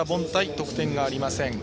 得点がありません。